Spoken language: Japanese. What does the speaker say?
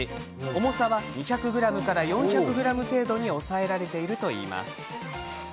重さは２００ｇから４００ｇ程度に抑えられているといいます。